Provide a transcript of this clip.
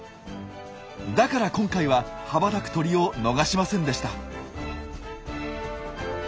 だから今回は羽ばたく鳥を逃しませんでした。